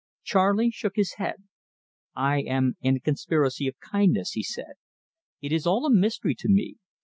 Charley shook his head. "I am in a conspiracy of kindness," he said. "It is all a mystery to me.